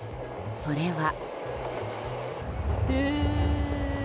それは。